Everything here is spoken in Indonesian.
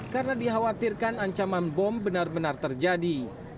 karena dikhawatirkan ancaman bom benar benar terjadi